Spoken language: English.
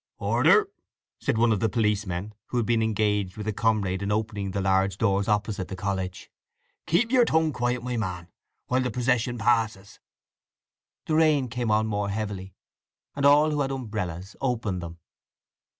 "Order!" said one of the policemen, who had been engaged with a comrade in opening the large doors opposite the college. "Keep yer tongue quiet, my man, while the procession passes." The rain came on more heavily, and all who had umbrellas opened them.